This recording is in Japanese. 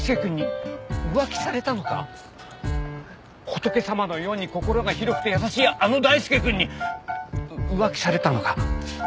仏様のように心が広くて優しいあの大輔君に浮気されたのか？